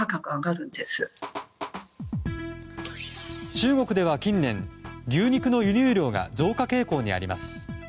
中国では近年、牛肉の輸入量が増加傾向にあります。